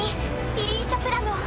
イリーシャ・プラノ。